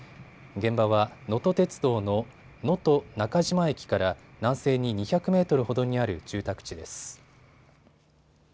現場はのと鉄道の能登中島駅から南西に２００メートルほどにある住宅地です。